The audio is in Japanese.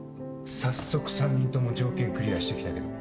早速３人とも条件クリアして来たけど。